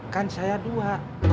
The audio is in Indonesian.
kan saya dua